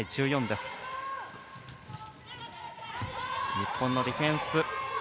日本のディフェンス。